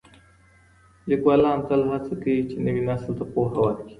ليکوالان تل هڅه کوي چي نوي نسل ته پوهه ورکړي.